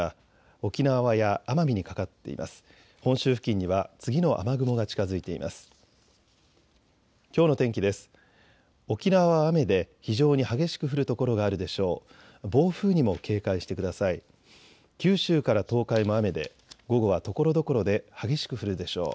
沖縄は雨で非常に激しく降る所があるでしょう。